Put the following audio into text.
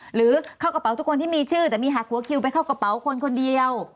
หรือเข้ากระเป๋าทุกคนที่มีชื่อแต่มีหักหัวคิวไปเข้ากระเป๋าคนคนเดียว